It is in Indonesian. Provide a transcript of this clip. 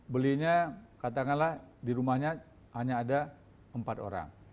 belinya katakanlah di rumahnya hanya ada empat orang